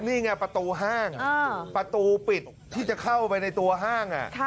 นี่ไงประตูห้างประตูปิดที่จะเข้าไปในตัวห้าง